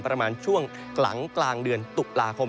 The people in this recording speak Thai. ประมาณช่วงหลังกลางเดือนตุลาคม